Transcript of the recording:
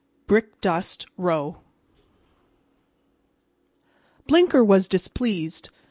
BRICKDUST ROW Blinker was displeased.